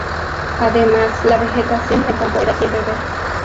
Además la vegetación en el campo era siempre verde.